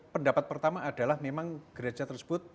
pendapat pertama adalah memang gereja tersebut